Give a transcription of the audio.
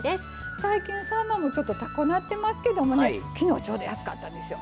最近、さんまもちょっと高うなってますけどもきのうちょうど安かったんですよ。